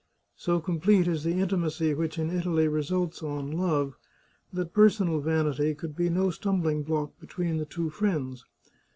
So complete is the intimacy which in Italy results on love, that personal vanity could be no stumbling block be tween the two friends.